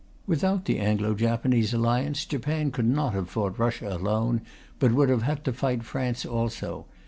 Without the Anglo Japanese Alliance, Japan could not have fought Russia alone, but would have had to fight France also.